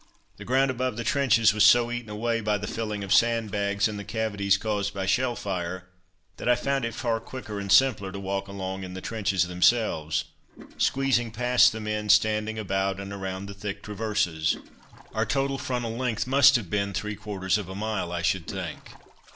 The ground above the trenches was so eaten away by the filling of sandbags and the cavities caused by shell fire, that I found it far quicker and simpler to walk along in the trenches themselves, squeezing past the men standing about and around the thick traverses. Our total frontal length must have been three quarters of a mile, I should think.